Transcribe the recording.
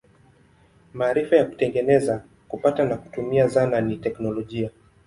Maarifa ya kutengeneza, kupata na kutumia zana ni teknolojia.